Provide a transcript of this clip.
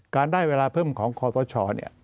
การได้เวลาเพิ่มของคอสช